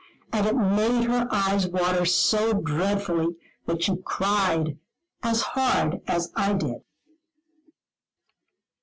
And it made her eyes water so dreadfully, that she cried as hard as I did.